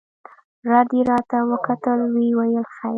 رډ يې راته وکتل ويې ويل خير.